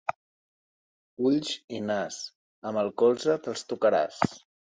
Ulls i nas, amb el colze te'ls tocaràs.